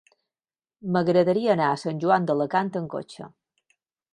M'agradaria anar a Sant Joan d'Alacant amb cotxe.